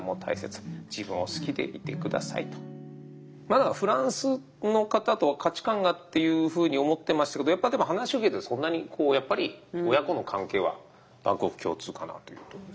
だからフランスの方とは価値観がっていうふうに思ってましたけどやっぱでも話を聞いてそんなにこうやっぱり親子の関係は万国共通かなというところです。